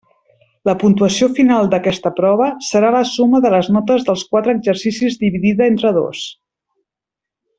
La puntuació final d'aquesta prova serà la suma de les notes dels quatre exercicis dividida entre dos.